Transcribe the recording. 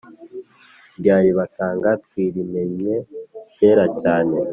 Irya ribanga twarimennye kera cyane